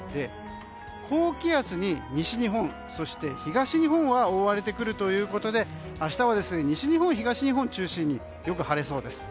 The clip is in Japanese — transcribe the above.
高気圧に西日本、東日本は覆われてくるということで明日は西日本、東日本中心によく晴れそうです。